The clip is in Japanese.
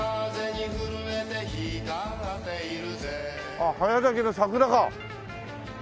あっ早咲きの桜か。